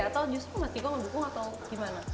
atau justru mas ciko ngedukung atau gimana